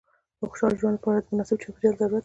د خوشحاله ژوند لپاره د مناسب چاپېریال ضرورت دی.